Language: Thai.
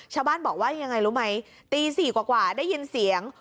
ชาวบ้านบอกว่ายังไงรู้ไหมตี๔กว่าได้ยินเสียง